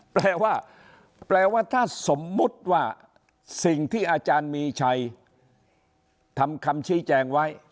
แปลว่าแปลว่าถ้าสมมุติว่าสิ่งที่อาจารย์มีชัยทำคำชี้แจงไว้